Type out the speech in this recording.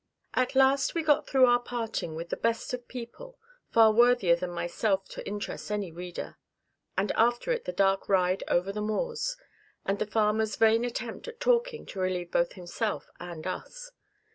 At last we got through our parting with the best of people (far worthier than myself to interest any reader), and after it the dark ride over the moors, and the farmer's vain attempt at talking to relieve both himself and us.